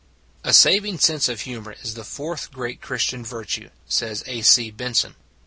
A saving sense of humor is the fourth great Christian virtue, says A. C. Benson.